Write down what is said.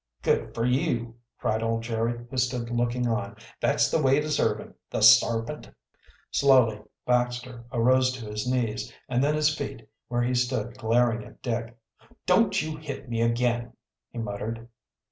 "Good fer you!" cried old Jerry, who stood looking on. "That's the way to serve him, the sarpint!" Slowly Baxter arose to his knees, and then his feet, where he stood glaring at Dick. "Don't you hit me again!" he muttered.